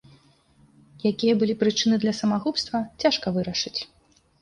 Якія былі прычыны для самагубства, цяжка вырашыць.